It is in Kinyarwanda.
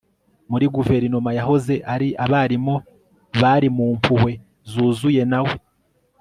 muri guverinoma yahoze ari abarimu bari mu mpuhwe zuzuye nawe